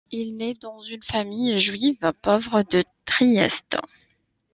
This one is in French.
Il naît dans une famille juive pauvre de Trieste.